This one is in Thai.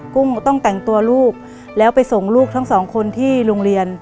กุ้งต้องแต่งตัวลูกแล้วไปส่งลูกทั้งสองคนที่โรงเรียน